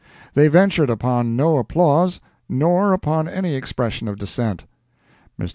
They ventured upon no applause, nor upon any expression of dissent. Mr.